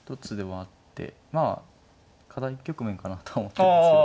まあ課題局面かなとは思ってるんですけど。